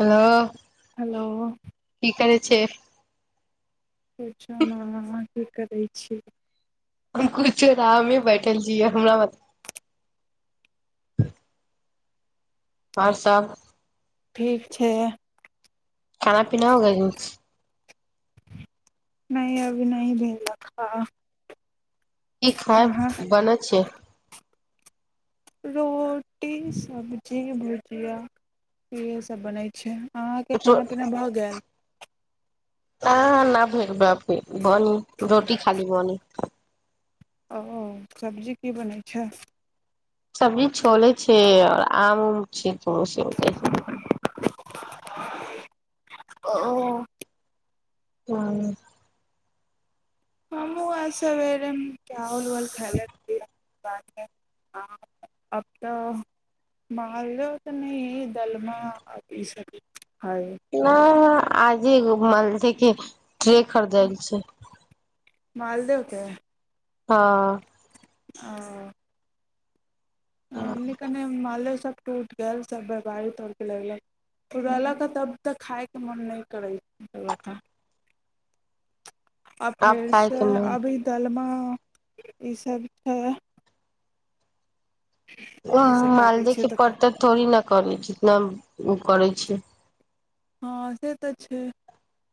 Hello hello की करै छिय पुछू ने अहाँ की करैत छी हम कुछ [unintelligible] आमे बैठल छियै हमरा मत आओर सब ठीक छै खाना पीना हो गइल [unintelligible] नहि अभी नहि भेलक हा की खायब बनै छै रोटी सब्जी भुजिया इहे सब बनै छै अहाँके रो खाना पीना भऽ गेल काहाँ न भइल बापे बनी रोटी खाली बनी ओ सब्जी की बनै छै सब्जी छोले छै और आम उम छै तऽ ओसे होतै ओ हँ हमहूँ आइ सबेरे मे चावल उबल खैले रहियै बाद मे हँ आब तऽ महालदेव तऽ नहि दलमा आब ई सब खाएब नइ आज एगो मानलहि की ट्रे खरीदैल छै मालदेव के हँ ओ हमनि कनि मालेदेव सब टूटि गेल सब वेपारी तोड़िक लगलक रहलक ह तब तऽ खायके मोन नइ करै रहलक ह आ आब फेरसे खायके मन अभी दलमा ई सब छै उ ई सब पाकै मालदेह छै के तऽ खाय परतर थोड़ी न करै जितना उ करै छै हँ से तऽ छै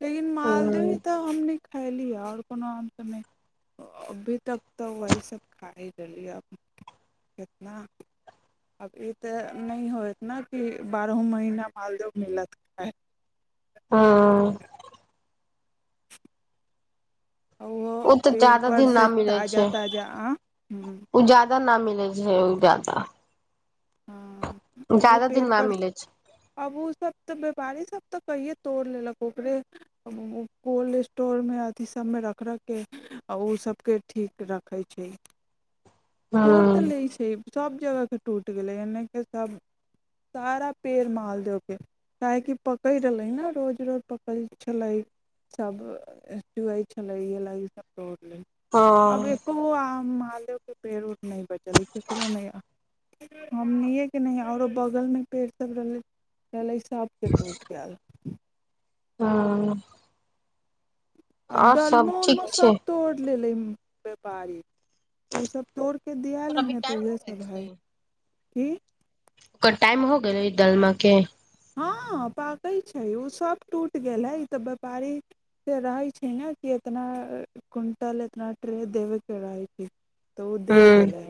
लेकिन मालदह हँ ही तऽ हमनी खैली ह और कोनो आम तऽ नहि अभी तक तऽ वही सब खाइ रहली ह अब कितना आब ई तऽ नहि होएत ने कि बारहो महीना मालदेह मिलत खाए। हँ ओहो ओ तऽ पेड़ जादा पर दिन ना से मिलै ताजा छै ताजा आम ओ जादा ना मिलै छै ओ जादा हँ उहो दिन न पेड़पर मिलै छै आब ओ सब तऽ व्यापारी सब तऽ कहिये तोड़ लेलक ओकरे कोल्ड स्टोरमे अथी सबमे रख रखके आ ओइ सबके ठीक रखै छै तोर हूं तऽ लै छै सभ जगहके टूटि गेलै एने कि सभ सारा पेड़ मालदेव के काहेकि पकै रहलै न रोज रोज पकै छलै सब चुअइ छलै उहेला लागी सब तोड़ि लेल आब हँ एक्को गो आम मालदेवके पेड़ उड़ नहि बचलै ककरो नहि हमनिएके नइ औरो बगलमे पेड़ सब रहलै रहलै सबके टूटि गएल ओ आ सब दलमो ठीक उलमो छै सब तोड़ि लेलै व्यापारी ओसभ तोड़िक ओकर दिआलहै अभी ने तऽ टाइम हो उएह गेल सभ है छै की ओकर टाइम हो गेलय दलमा के हँ पाकै छै ओ सभ टूटि गेलै तऽ व्यापारी से रहै छै ने कि इतना क्विंटल एतना ट्रे देबेके रहै छै तऽ ओ दे हूं देलै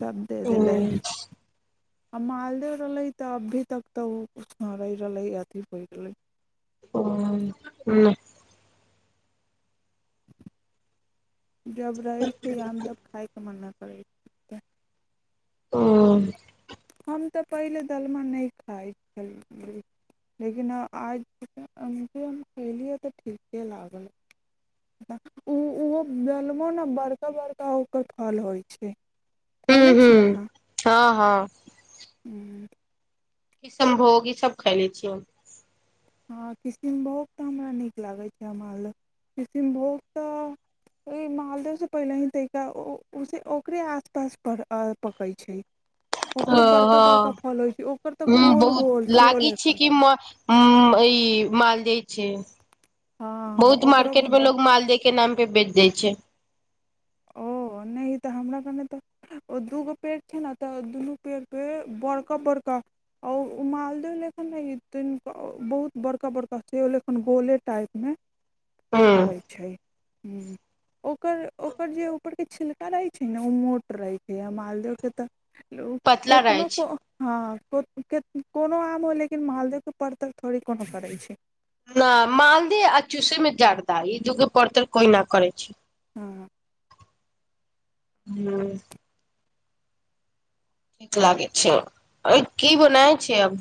सब दे हूं देलै आ मालदेव रहलै तऽ अभी तक तऽ ओ किछु नइ रहि रहलै अथी होइ गेलै ओ ह जब रहै छै आम तब खााय के मन न करै या ओ हम तऽ पहिले दलमा नइ खाइत छलौं लेकिन आज अ हम खेलियै तऽ ठीके लागल ओ ओहो बेलबो ने बड़का बड़का ओकर फल होइ छै खैले हूं छी अहाँ हँ हँ किसनभोग ई सब खैले छीियै हँ किशनभोग तऽ हमरा नीक लागै छै माल किशनभोग तऽ ओ मालदेवसँ पहिले ही तरीका उस ओकरे आसपास पकै छै ओकरो बड़का ओहो बड़का फल होइ छै ओकर तऽ हुँ गोल बहुत गोल सेहो लागि छै लेखन कि म उ ई मालदेय छै हँ बहुत ओकरो मार्केट में गुद्दा लोग माल के नाम पे बेच दइ छै ओ नहि तऽ हमरा गाँव मे तऽ ओ दूगो पेड़ छै ने तऽ दुनू पेड़ पे बड़का बड़का आ उ मालदे लंका ने हइ तन बहुत बड़का बड़का से ओ लेखन होले टाइपमे हूँ फड़ै छै ओकर ओकर जे ऊपरके छिलका रहैत छै ने ओ मोट रहैत छै आ मालदेव के तऽ लोक पतला रहै कितनो छै को हँ कोनो आम हो लेकिन मालदेके पर तक थोड़े कोनो करैय छै न मालदह आ चूसे में जर्दा ई दुगो परतर कोई न करै छै हुँ हू ठीक लागै छै अर की बनाय छै अब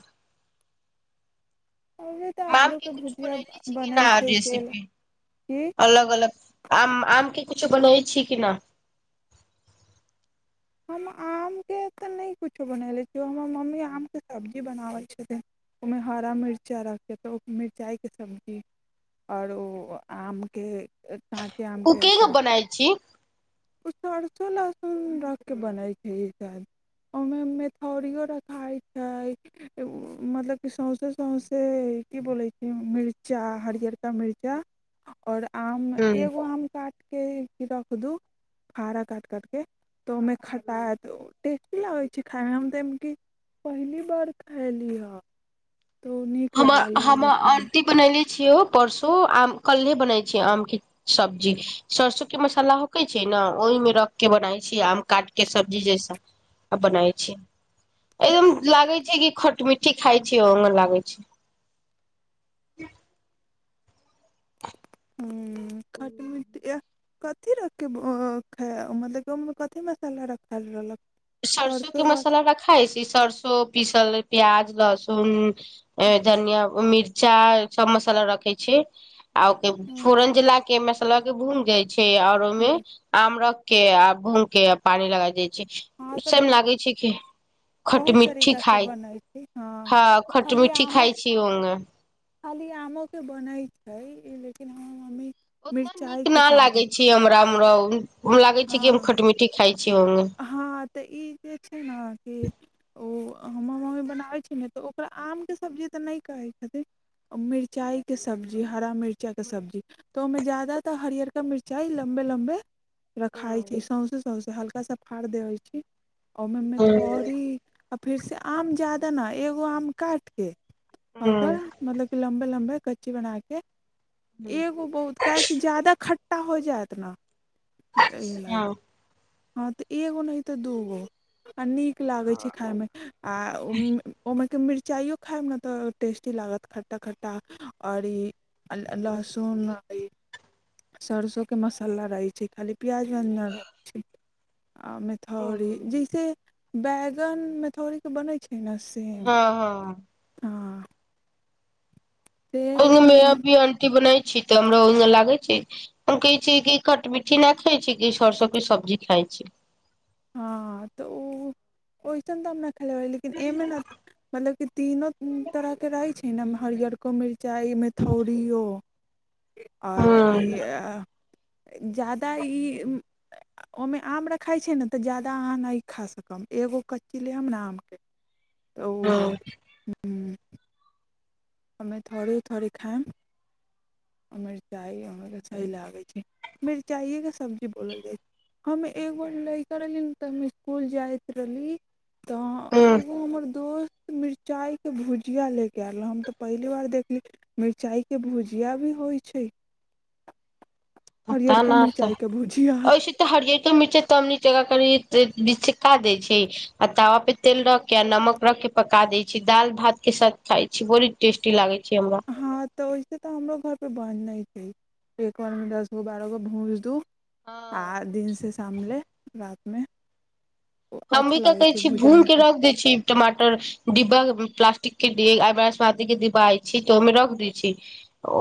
ओहे तऽ माम आलू के एकऊचु भुजिया बनाली छै कि न बनै छै केला रेसपी की अलग अलग आम आम के किछो बनबै छी कि न हम आमके तऽ नहि किछो बनने छियै हमर मम्मी आमके सब्जी बनाबैत छथिन ओमेमे हरा मिर्चाइ रखे त मिरचाइ के सब्जी आओर ओ आमके काँचे आम कें कुकिंग कटि बनाय छी [inaudible] के बनै छै ई सब ओहिमे मेथीयौ रखाइ छै मतलब क सौंसे सौंसे की बोलै छै मिर्चा हरियर का मिर्चा और आम हूँ एगो आम काटिके रख दू फाड़ा काट काटके तऽ ओहिमे खटा हतटे नई होइ छै खायमे मे हम तऽ एमकी पहली बार खयली ह हम हमर लखन आंटी बनले छियै परसू आम कल्हे बनै छै आमके सब्जी सरसों के मसाला होकैत छै ने ओहिमे रख क बनाइ छै आम काट क सब्जी जैस आ बनाय छी एकदम लागे छै कि खट मिट्ठी खाय छी ओहन लागै छै [inaudible] हूं खट मिठ एह कथि रख कऽ खाय मतलब गहमे कथि मसाला रखल रहलक सरसों के सरसो वा मसाला वाला खा छै सरसो पीसल प्याज लहसुन धनिया मिर्चा सब मसाल रखै छै आ ओ हँ फोरन देला के मसला के भून जाइ छै आओर ओहिमे आम रख के आ भून के पानी लगा जाइ छै हँ, तऽ उसन लागै छै की खट बहुत मिठी तरीका से खाइ बनै छै हँ खट खाली मिठी आमो खााय छी ओऔंग खाली आमो के बनै छै लेकिन हमर मम्मी उतना नीक मिरचाइके ना लागे सब्जी छी हमरारा लागे छी क हम हँ खट मिट्ठी खायई छी हँ तऽ ई जे छै ने कि ओ हमर मम्मी बनाबै छै ने तऽ ओकरा आमके सब्जी तऽ नहि कहै छथिन मिरचाइके सब्जी हरा मिर्चाइके सब्जी त मे जा्यादातर हरियर का मिरचाइ लम्बे लम्बे रखाइत छी हूँ सौँसे सौँसे हल्का सा फाड़ि देैत छी ओहिमेथड़ी आ फेरसे आम जादा नइ एगो आम काटि कऽ आ हूँ ओकर मतलब क लम्बे लम्बे कच्ची बना के हँ एगो बहुत काह क जादा ख खट्टा हो जायत ने इहा लाय हँ हँ एगो नहि ह तऽ दूगो आ नीक लागै छै खायमे आ ओम्हर के मिरचाइयो खायब ने तऽ टेस्टी लागत खट्टा खट्टा और ई आ आ लहसून सरसों के मसाला रहैत छै खाली प्याज उयाज न रहै छै आ मैथौरी जैसे बैंगन मैथौरीके बनैत छै ने सेम हँ ह हँ से हइ ओहो मे कि भी आंटी बनाै छी तऽ हमरा ओहि लागै छै हम कहै छै कि कट मिठी न खाई छी कि सरसोके सब्जी खाय छी हँ तऽ ओ ओइसन तऽ हम नहि खेलेब लेकिन एहिमे ने मतलब की तीनो तरह के रहे छै ने हरियर मिरचाइ मे थौड़ियो आओर हूँ ई जादा ई ओहिमे आम रखाइ छै ने तऽ जादा अहाँ नहि खा सखम एगो कच्ची लेब ने आमके तऽ उहे हूँ हूँ ह हममे थोड़ी थोड़ी खाम आ मिरचाइ अहाँके सही लागैत छै मिरचाइएके सब्जी बोलल जाइ छै हम एगो लड़का रहली ते हम स्कुल जायत रहली तऽ हूँ एगो हमर दोस्त मिर्चाइके भुजिया लेके आयल रहै हम तऽ पहिल बार देखली मिरचाईके भुजिया भी होइ छै पता हरियरका न तऽ मिरचाई के भुजिया ऐसे तऽ हरियो मिर्चाई तबनी बिच से काटि देय छै आ तावा पे तेल रख के आ नमक रख के पका दै छी दाल भात के साथ खाय छी बड़ी टेस्टी लागै छै हमरा हाँ तऽ ओहिसे तऽ हमरो घर पर बनै छै एक बार मे दस गो बारह गो भूंज दू आ हँ दिनसँ शाम ले रतिमे हम भी का कहै छी भून के रख दै छी टमाटर डिब्बा प्लास्टिक के समादी के डिब्बा आय छै तऽ ओहिमे रख दै छी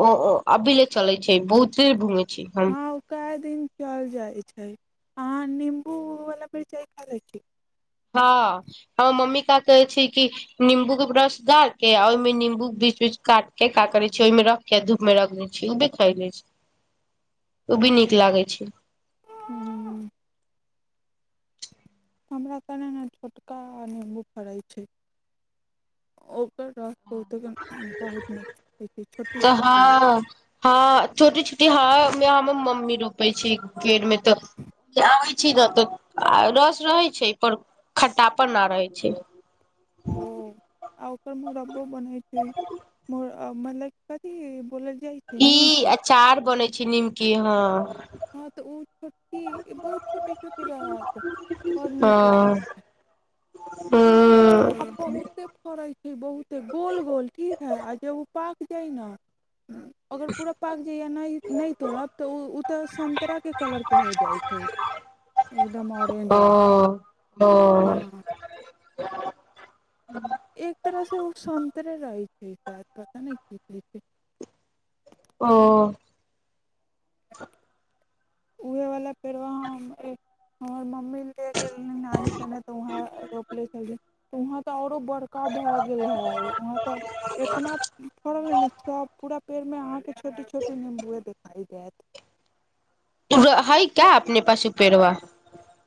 ओ ओ अभी ले चलै छै बहुते घूमै छी हम हँ ओ कए दिन चल जाइ छै अहाँ नम्बू वाला मिरचाइ खा लै छी हँ हमर मम्मी का कहै छै कि नम्बू के ब रस गार के आ ओहिमे नम्बू के बीच बीच काट के का करे छै ओहिमे रख य धूप में रख दै छी ओ भी खाई ले छै ओ भी नीक लागे छै हुँ हमरा कने ने छोटका आ निम्बू फड़ैत छै ओकर रस बहुत बहुत न छोटी तऽ छोटी हँ हँ छोटी छोटी ह मे हमर मम्मी रोपे छै पेड़ में तऽ के आबै छी ने तऽ आ रस रहे छै पर खट्टापन ना रहै छै ओ आ ओकर मुरब्बो बनै छै मतलब कथीहइ बोलल जाइ छै ई निमकी अचार बन छै निमकी हँ हँ तऽ ओ ठीक बहुत छोटे छोटे रहत बड़ नीक हँ लागत हूँ हम बहुते करै छै बहुते गोल गोल ठीक है आ जब ओ पाक जाय न अगर पूरा पाक जाय य नहि नहि तोड़ब तऽ ओ ओ तऽ संतराके कलरके हो जाइ छै एकदम ऑरेंज ओर ओ एक तरह से ओ संतरे रहै छैय पता नहि की छै ओ उहे वाला पेड़वा हम एक हमर मम्मी लेल गेल रही नानी कने तऽ वहाँ रोपले छली त वहाँ तऽ औरो बड़का भऽ गेल हे उहाँ तऽ एतना फड़ल हे ने सब पूरा पेड़ मे अहाँके छोटे छोटे नम्बुए देखाई देयत उगा हइ का अपने पास उ पेड़वा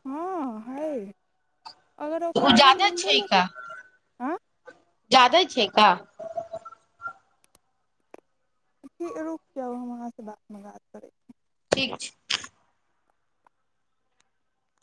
हँ हय अगर उ ओकर एगो ज्यादा नम्बू लेके आँ जादे छै का ठीक रुक जाउ हम अहाँ से बादमे बात करै ठीक छै